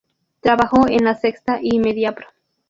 Trabajó en "La Sexta" y "Mediapro".